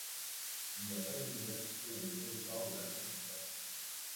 Il n'y a pas d'université dans le territoire de la bande de Caprivi.